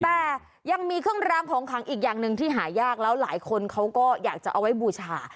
แต่ยังมีเครื่องรางของขังอีกอย่างหนึ่งที่หายากแล้วหลายคนเขาก็อยากจะเอาไว้บูชา